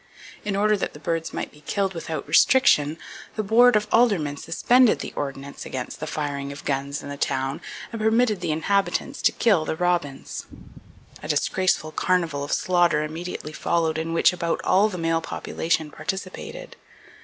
In order that the birds might be killed without restriction, the Board of Aldermen suspended the ordinance against the firing of guns in the town, and permitted the inhabitants to kill the robins." A disgraceful carnival of slaughter immediately followed in which "about all the male population" participated.